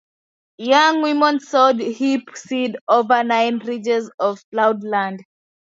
Young women sowed hemp seed over nine ridges of ploughed land.